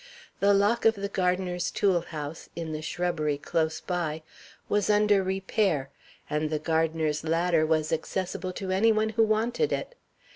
The lock of the gardener's tool house (in the shrubbery close by) was under repair; and the gardener's ladder was accessible to any one who wanted it.